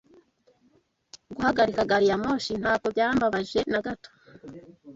Guhagarika gari ya moshi ntabwo byambabaje na gato